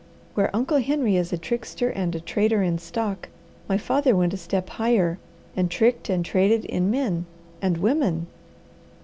Where Uncle Henry is a trickster and a trader in stock, my father went a step higher, and tricked and traded in men and women!